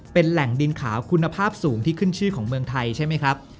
เป็นแหล่งดินขาวคุณภาพสูงที่ขึ้นชื่อของเมืองไทยใช่ไหมครับ